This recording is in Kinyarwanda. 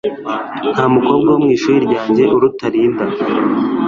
Nta mukobwa wo mu ishuri ryanjye uruta Linda